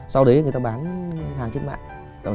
sau đấy người ta bán hàng trên mạng